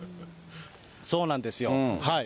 そうなんですよ。